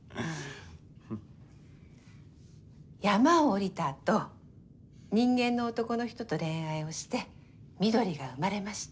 山を下りたあと人間の男の人と恋愛をして翠が生まれました。